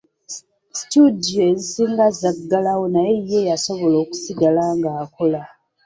Situdiyo ezisinga zaggalawo naye ye yasobola okusigala ng'akola.